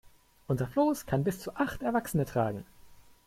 Unser Floß kann bis zu acht Erwachsene tragen.